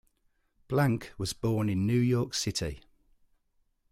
Blank was born in New York City.